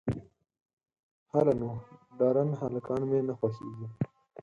_هله نو، ډارن هلکان مې نه خوښېږي.